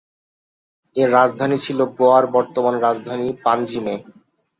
এর রাজধানী ছিল গোয়ার বর্তমান রাজধানী পানজিমে।